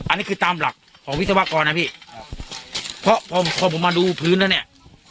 อันนี้คือตามหลักของวิศวกรนะพี่ครับเพราะพอพอผมมาดูพื้นแล้วเนี่ย